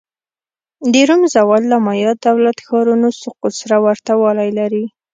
د روم زوال له مایا دولت-ښارونو سقوط سره ورته والی لري